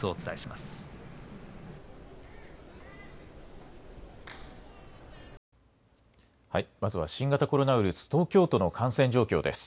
まずは新型コロナウイルス、東京都の感染状況です。